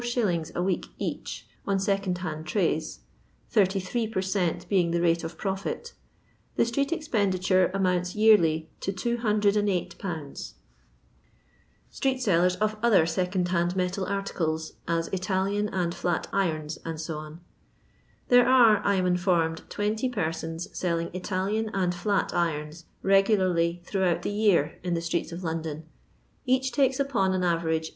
a week each, on second hand trays (38 per cent being the rate of profit), the street expenditure amounts yearly to 208 0 0 Street Sellers {^ other Seeondrhand Melai ArMes, as Italian and Flat Irons, dte^ There are, I am informed, 20 per* sons selling Italian and flat irons re gularly throughout the year in the streets of London ; each takes upon an average 6«.